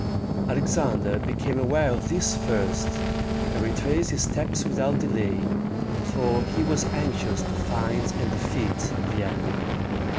Alexander became aware of this first, and retraced his steps without delay, for he was anxious to find and defeat the enemy.